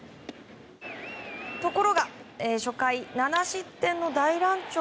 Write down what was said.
ところが初回７失点の大乱調。